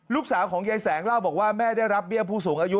ยายของยายแสงเล่าบอกว่าแม่ได้รับเบี้ยผู้สูงอายุ